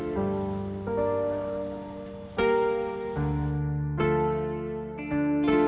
nanti kita ke sana